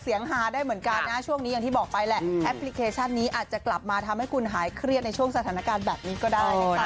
ฮาได้เหมือนกันนะช่วงนี้อย่างที่บอกไปแหละแอปพลิเคชันนี้อาจจะกลับมาทำให้คุณหายเครียดในช่วงสถานการณ์แบบนี้ก็ได้นะคะ